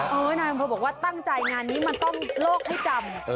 เออนายอำเภอบอกว่าตั้งใจงานนี้มันต้องโลกให้จำ